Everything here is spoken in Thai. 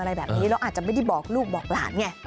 อะไรแบบนี้แล้วอาจจะไม่ได้บอกลูกบอกหลานไง